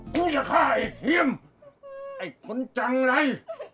กูจะฆ่าไอ้เทียมไอ้คนจังเลย